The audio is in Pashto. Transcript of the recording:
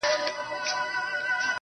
په اړهنګ بړهنګ کې هم شته اتمانخېلې